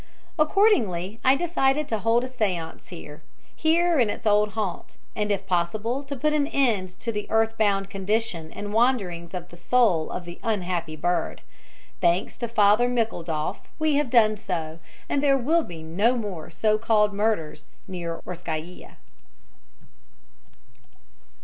Accordingly, I decided to hold a séance here here in its old haunt, and if possible to put an end to the earth bound condition and wanderings of the soul of the unhappy bird. Thanks to Father Mickledoff we have done so, and there will be no more so called murders near Orskaia."